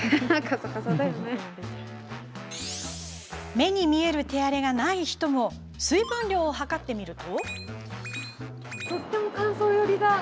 目に見える手荒れがない人も水分量を測ってみると。